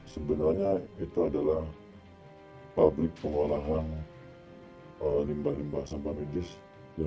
sebenarnya itu adalah pabrik pengolahan limbah limbah sampah medis yang berasal dari luar kota cirebon